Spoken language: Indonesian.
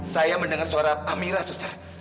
saya mendengar suara amira suster